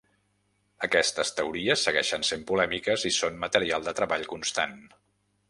Aquestes teories segueixen sent polèmiques i són material de treball constant.